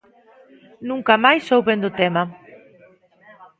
Nunca máis souben do tema.